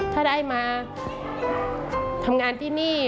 ถ้าได้มาทำงานที่นี่